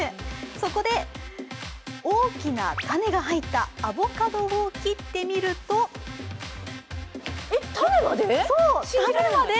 そこで大きな種が入ったアボカドを切ってみるとえっ、種まで？